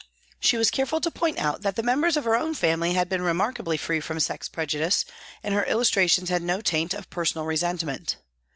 She was careful to point out that the members of her own family had been remarkably free from sex prejudice, and her illustrations had no taint of personal resentment.